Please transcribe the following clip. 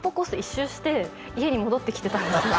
１周して家に戻ってきてたんですよ